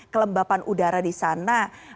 kelembapan udara di sana